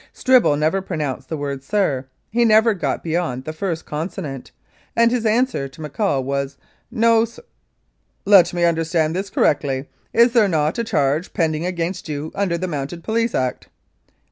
Stribble never pronounced the word "Sir," he never got beyond the first consonant, and his answer to McCaul was, "No, SV "Let me understand this correctly. Is there not a charge pending against you under the Mounted Police Act?"